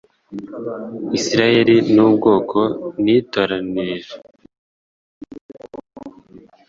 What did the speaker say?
Isirayeli nu bwoko nitoranirije, nihitiyemo